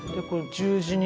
十字に。